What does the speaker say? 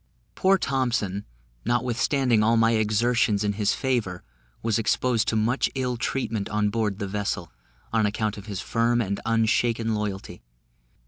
Poor Thompson, notwithstanding all my exertions in his favour, was exposed to much ill treatment on board the vessel, on account of his firm and unshaken loyalty.